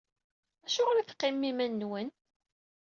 Acuɣeṛ i teqqimem iman-nwen?